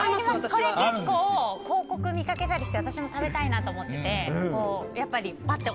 これ結構、広告を見かけたりして私も食べたいなと思ってて。